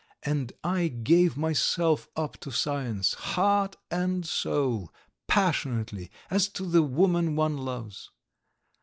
And I gave myself up to science, heart and soul, passionately, as to the woman one loves.